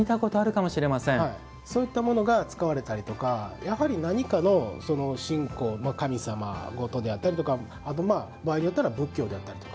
そういったものが使われたりとかやはり、何かの信仰神様であったりとか場合であったら仏教であったりとか。